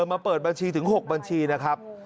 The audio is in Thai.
มาเปิดบัญชีถึง๖บัญชีนะครับ